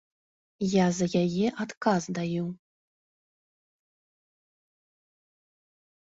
Я за яе адказ даю.